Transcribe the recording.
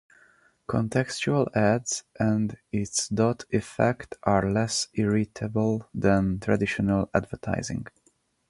Contextual ads and its dot effect are less irritable than traditional advertising.